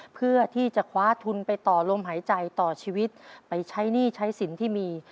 เพื่อที่จะคว้าทุนไปต่อลมหายใจต่อชีวิตไปใช้หนี้ใช้สินที่มี